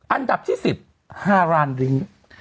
อันดับที่๑๐๕ล้านลิง